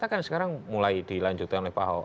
nah kan sekarang mulai dilanjutkan oleh pak ho